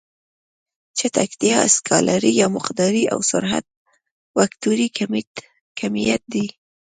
چټکتیا سکالري يا مقداري او سرعت وکتوري کميت دی.